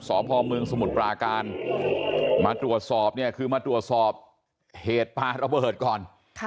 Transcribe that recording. สพเมืองสมุทรปราการมาตรวจสอบเนี่ยคือมาตรวจสอบเหตุปลาระเบิดก่อน